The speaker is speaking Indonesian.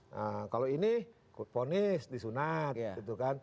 nah kalau ini ponis disunat gitu kan